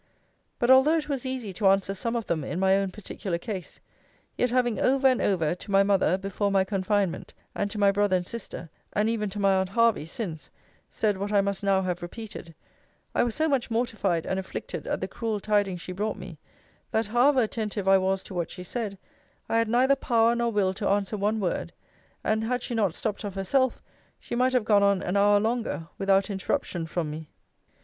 But although it was easy to answer some of them in my own particular case; yet having over and over, to my mother, before my confinement, and to my brother and sister, and even to my aunt Hervey, since, said what I must now have repeated, I was so much mortified and afflicted at the cruel tidings she brought me, that however attentive I was to what she said, I had neither power nor will to answer one word; and, had she not stopped of herself, she might have gone on an hour longer, without interruption from me.